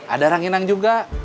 ada ranginang juga